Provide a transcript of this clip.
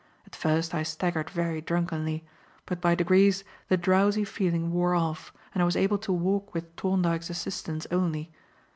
At first I staggered very drunkenly, but by degrees the drowsy feeling wore off and I was able to walk with Thorndyke's assistance only.